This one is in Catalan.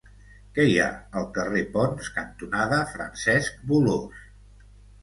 Què hi ha al carrer Ponts cantonada Francesc Bolòs?